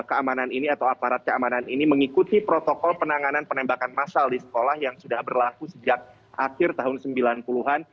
keamanan ini atau aparat keamanan ini mengikuti protokol penanganan penembakan masal di sekolah yang sudah berlaku sejak akhir tahun sembilan puluh an